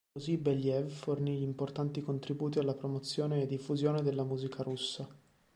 Così Beljaev fornì importanti contributi alla promozione e diffusione della musica russa.